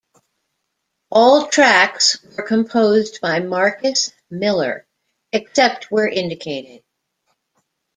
All tracks were composed by Marcus Miller, except where indicated.